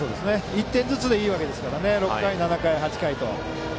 １点ずつでいいわけですから６回、７回、８回と。